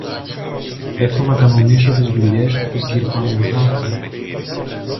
Έχω να κανονίσω τις δουλειές του κυρ-Πανουργάκου.